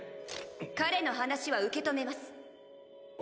彼の話は受け止めます。